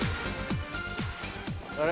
あれ？